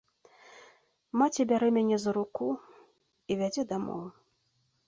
Маці бярэ мяне за руку і вядзе дамоў.